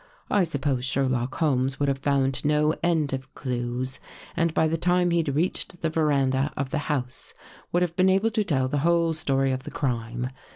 I suppose Sherlock Holmes would have found no end of clues, and by the time he'd reached the veranda of the house, would have been able to tell the whole story of the crime.